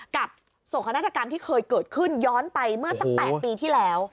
โศกนาฏกรรมที่เคยเกิดขึ้นย้อนไปเมื่อสัก๘ปีที่แล้ว